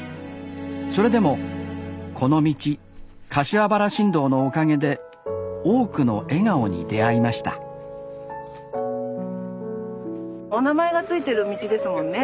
それでもこの道柏原新道のおかげで多くの笑顔に出会いましたお名前が付いてる道ですもんね。